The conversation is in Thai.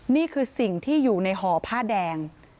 นี่คือสิ่งที่อยู่ในห่อผ้าแดง